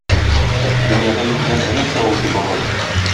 Дөньяда юк нәрсә - нәрсә ул? - ди бабай.